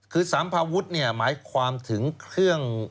คือสัมภาวุฒิเนี่ยหมายความถึงเครื่อง